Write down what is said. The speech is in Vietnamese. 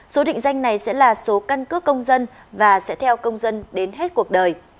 số định danh này sẽ là số căn cước công dân và sẽ theo công dân đến hết cuộc đời